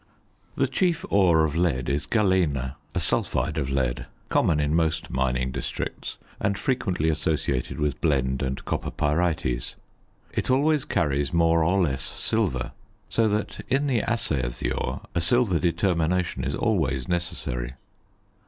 The chief ore of lead is galena, a sulphide of lead, common in most mining districts, and frequently associated with blende and copper pyrites. It always carries more or less silver; so that in the assay of the ore a silver determination is always necessary.